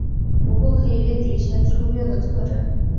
不过可以列举一些粗略的特征。